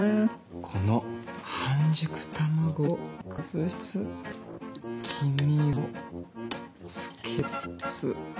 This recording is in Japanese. この半熟卵を崩しつつ黄身をつけつつ。